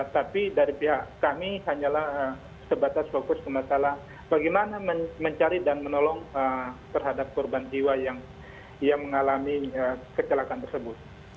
tapi dari pihak kami hanyalah sebatas fokus ke masalah bagaimana mencari dan menolong terhadap korban jiwa yang mengalami kecelakaan tersebut